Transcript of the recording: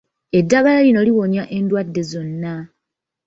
Eddagala lino liwonya endwadde zonna.